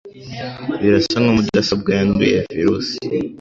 Birasa nkaho mudasobwa yanduye virusi.